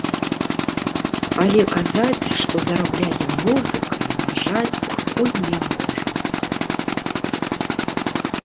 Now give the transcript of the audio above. Але казаць, што зарабляем музыкай, на жаль, пакуль не можам.